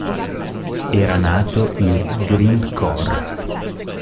Era nato il Grindcore.